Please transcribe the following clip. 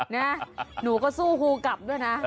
นะหนูก็สู้ครูกลับด้วยนะ